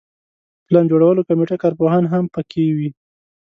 پلان جوړولو کمیټه کارپوهان هم په کې وي.